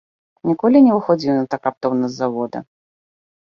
Ніколі не выходзіў ён так раптоўна з завода.